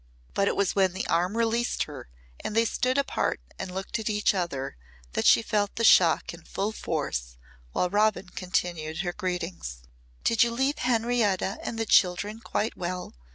But it was when the arm released her and they stood apart and looked at each other that she felt the shock in full force while Robin continued her greetings. "Did you leave Henrietta and the children quite well?"